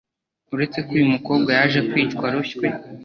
Uretse ko uyu mukobwa yaje kwicwa aroshywe